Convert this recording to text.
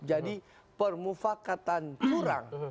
jadi permufakatan curang